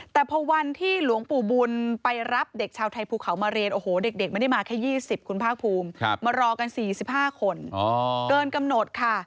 แต่พอวันที่หลวงปู่บุญไปรับเด็กชาวไทยภูเขามาเรียนโอ้โหเด็กไม่ได้มาแค่๒๐คุณภาคภูมิมารอกัน๔๕คนเกินกำหนดค่ะ